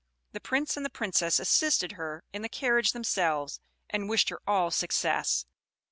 The Prince and the Princess assisted her into the carriage themselves, and wished her all success.